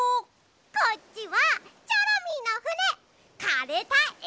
こっちはチョロミーのふねかれたえだごう！